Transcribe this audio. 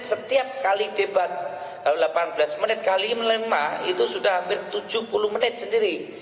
setiap kali debat kalau delapan belas menit kali melema itu sudah hampir tujuh puluh menit sendiri